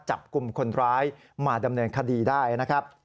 จับกลุ่มคนร้ายมาดำเนินคดีได้นะครับ